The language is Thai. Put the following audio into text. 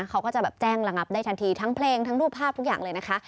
เขาก็จะแบบแจ้งระงับได้ทันทีทั้งเพลงทั้งรูปภาพทุกอย่างเลยนะคะ